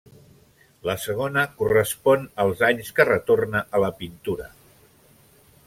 La segona correspon als anys que retorna a la pintura.